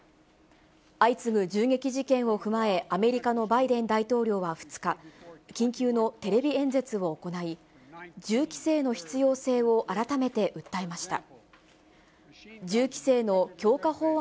相次ぐ銃撃事件を踏まえ、アメリカのバイデン大統領は２日、緊急のテレビ演説を行い、銃規制の必要性を改めて訴えました。